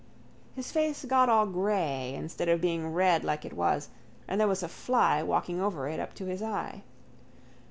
His face got all grey instead of being red like it was and there was a fly walking over it up to his eye.